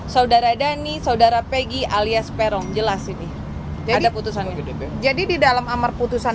saudara dhani saudara peggy alias perong jelas ini jadi ada putusan jadi di dalam amar putusan